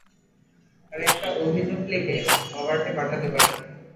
আমি একটা অভিযোগ লিখে হবার্টে পাঠাতে পারি।